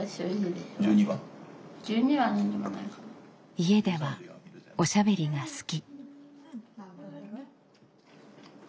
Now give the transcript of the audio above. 家ではおしゃべりが好き。